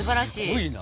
すごいな。